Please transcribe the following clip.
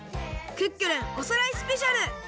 クックルンおさらいスペシャル！」。